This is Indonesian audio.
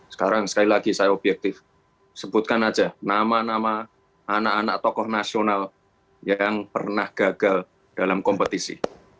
sekarang sekali lagi saya objektif sebutkan aja nama nama anak anak tokoh nasional yang pernah gagal dalam kompetisi